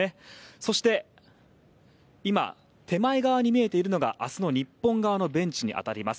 そして、今手前側に見えているのが明日の日本側のベンチに当たります。